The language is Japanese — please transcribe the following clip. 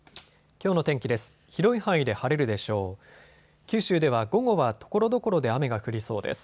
きょうの天気です。